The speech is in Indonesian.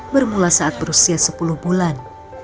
bermula saat berusia sepuluh bulan